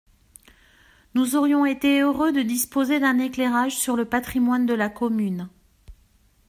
Nous aurions été heureux de disposer d’un éclairage sur le patrimoine de la commune.